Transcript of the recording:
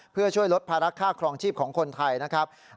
เพื่อช่วยลดภาระค่าครองชีพของคนไทยนะครับ